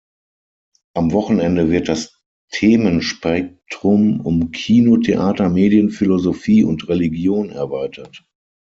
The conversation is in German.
Am Wochenende wird das Themenspektrum um Kino, Theater, Medien, Philosophie und Religion erweitert.